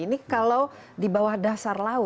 ini kalau di bawah dasar laut